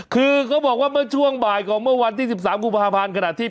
คือเขาบอกว่าเมื่อช่วงบ่ายของเมื่อวันที่๑๓กลุ่มภาพพลานธนธิ์